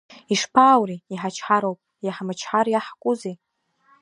Ишԥааури, иҳачҳароуп, иаҳмычҳар, иаҳкузеи?